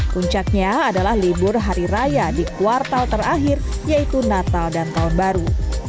puncaknya adalah libur hari raya di kuartal terakhir yaitu natal dan tahun baru